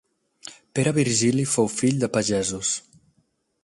Pere Virgili fou fill de pagesos.